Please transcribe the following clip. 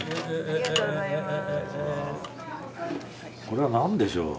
これはなんでしょう？